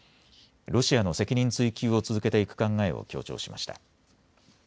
ロシアの責任追及を続けていく考えを強調しました。